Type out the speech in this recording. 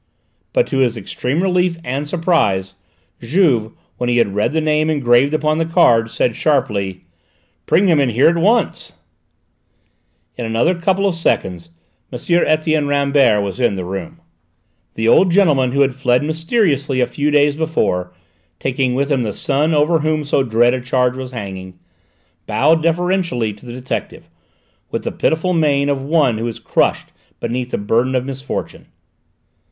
But to his extreme relief and surprise, Juve, when he had read the name engraved upon the card, said sharply: "Bring him in here at once!" And in another couple of seconds M. Etienne Rambert was in the room! The old gentleman who had fled so mysteriously a few days before, taking with him the son over whom so dread a charge was hanging, bowed deferentially to the detective, with the pitiful mien of one who is crushed beneath the burden of misfortune.